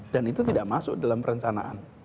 dan itu tidak masuk dalam perencanaan